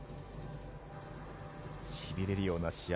しびれるような試合